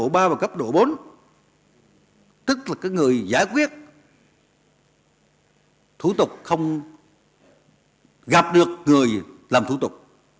thủ tục ba và cấp độ bốn tức là người giải quyết thủ tục không gặp được người làm thủ tục